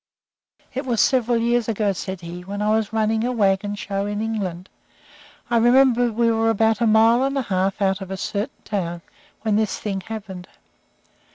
"It was several years ago," said he, "when I was running a wagon show in England. I remember we were about a mile and a half out of a certain town when this thing happened.